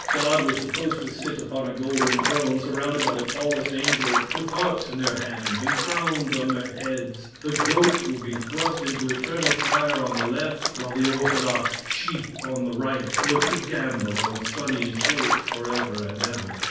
God was supposed to sit upon a golden throne, surrounded by the tallest angels, with harps in their hands and crowns on their heads. The goats would be thrust into eternal fire on the left, while the orthodox sheep, on the right, were to gambol on sunny slopes forever and ever.